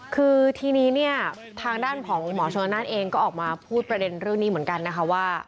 คือทีนี้เนี่ยทางด้านของหมอชนนานเองก็ออกมาพูดประเด็นเรื่องนี้เหมือนกันนะคะว่า